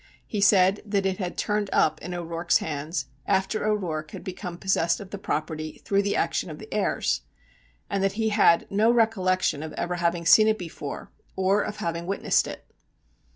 He said that it had "turned up" in O'Rourke's hands after O'Rourke had become possessed of the property through the action of the heirs, and that he had no recollection of ever having seen it before or having witnessed it.